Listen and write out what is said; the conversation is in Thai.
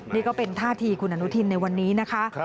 นี่ก็เป็นท่าทีคุณอนุทินในวันนี้นะคะ